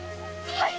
はい！